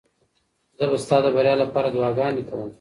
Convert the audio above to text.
زه به ستا د بریا لپاره دعاګانې کوم.